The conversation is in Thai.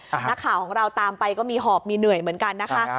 นักข่าวของเราตามไปก็มีหอบมีเหนื่อยเหมือนกันนะคะ